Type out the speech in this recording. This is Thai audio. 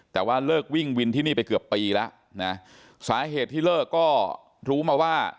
แต่ว่าเลิกวิ่งวินที่นี่ไปเกือบปีแล้วนะสาเหตุที่เลิกก็รู้มาว่า